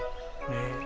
ねえ。